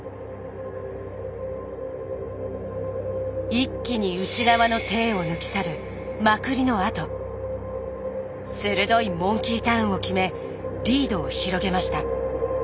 一気に内側の艇を抜き去るまくりのあと鋭いモンキーターンを決めリードを広げました。